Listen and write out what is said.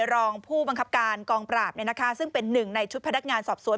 รองผู้บังคับการกองปราบซึ่งเป็นหนึ่งในชุดพนักงานสอบสวน